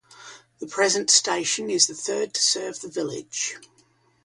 The present station is the third to serve the village.